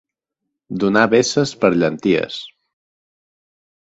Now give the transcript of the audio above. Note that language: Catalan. Donar veces per llenties.